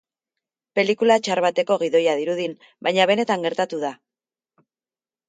Pelikula txar bateko gidoia dirudin, baina benetan gertatu da.